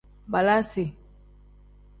Baalasi.